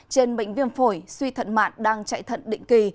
trên bệnh viêm phổi suy thận mạn đang chạy thận định kỳ